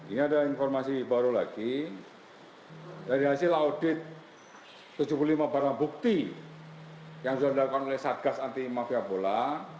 ini ada informasi baru lagi dari hasil audit tujuh puluh lima barang bukti yang sudah dilakukan oleh satgas anti mafia bola